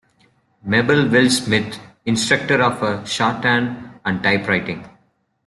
Mabel Wells-Smith, Instructor of Shorthand and Type Writing.